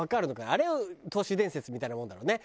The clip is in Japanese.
あれ都市伝説みたいなもんだろうね。